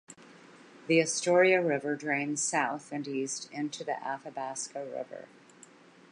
The Astoria River drains south and east into the Athabasca River.